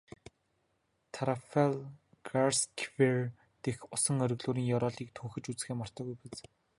Трафальгарсквер дэх усан оргилуурын ёроолыг төнхөж үзэхээ мартаагүй биз?